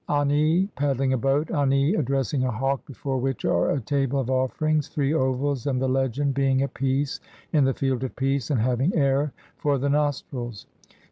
Ani paddling a boat, Ani addressing a hawk, before which are a table of offerings, three ovals, and the legend "Being at peace in the Field [of Peace], and having air for the nostrils".